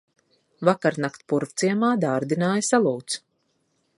Vakarnakt Purvciemā dārdināja salūts.